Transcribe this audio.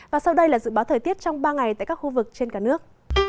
và sau đây là dự báo thời tiết trong ba ngày tại các khu vực trên cả nước